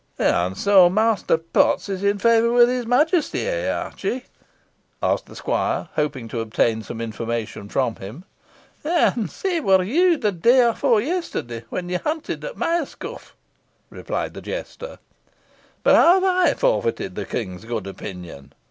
"And so Master Potts is in favour with his Majesty, eh, Archie?" asked the squire, hoping to obtain some information from him. "And sae war you the day efore yesterday, when you hunted at Myerscough," replied the jester. "But how have I forfeited the King's good opinion?"